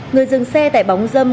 người dừng xe tại bóng dâm